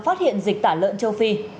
phát hiện dịch tả lợn châu phi